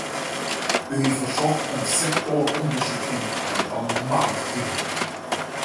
U heeft verzocht om sectoronderzoek in een aantal markten.